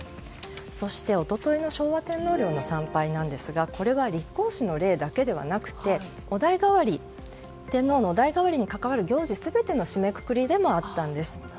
そして一昨日の昭和天皇陵の参拝ですが立皇嗣の礼だけではなくて天皇のお代替わりに関わる行事全ての締めくくりでもあったんです。